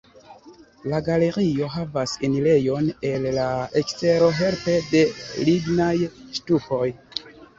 La galerio havas enirejon el la ekstero helpe de lignaj ŝtupoj.